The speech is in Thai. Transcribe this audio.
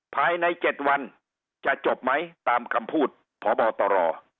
ภายในเจ็ดวันจะจบไหมตามคำพูดพระบอตรอ